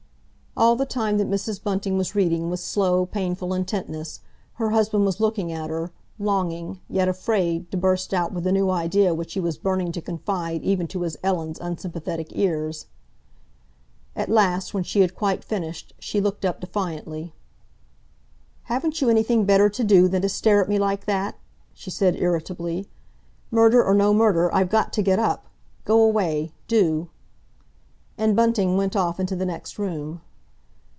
All the time that Mrs. Bunting was reading with slow, painful intentness, her husband was looking at her, longing, yet afraid, to burst out with a new idea which he was burning to confide even to his Ellen's unsympathetic ears. At last, when she had quite finished, she looked up defiantly. "Haven't you anything better to do than to stare at me like that?" she said irritably. "Murder or no murder, I've got to get up! Go away—do!" And Bunting went off into the next room.